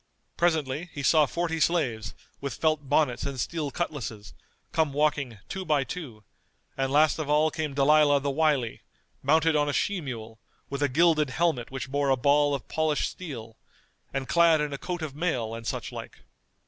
Presently he saw forty slaves, with felt bonnets and steel cutlasses, come walking, two by two; and last of all came Dalilah the Wily, mounted on a she mule, with a gilded helmet which bore a ball of polished steel, and clad in a coat of mail, and such like.